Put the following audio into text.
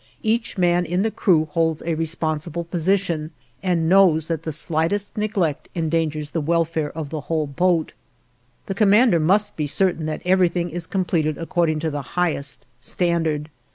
Each man in the crew holds a responsible position and knows that the slightest neglect endangers the welfare of the whole boat. The commander must be certain that everything is completed according to the highest standard.